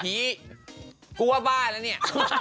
หี๊กูว่าบ้าแล้วนี่